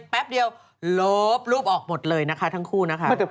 แป๊บเดียวโลบรูปออกหมดเลยนะคะทั้งคู่นะคะ